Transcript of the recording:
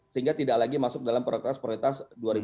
sehingga tidak lagi masuk dalam protes prioritas dua ribu dua puluh